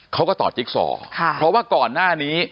เขาก็ต่อจิ๊กซอค่ะเพราะว่าก่อนหน้านี้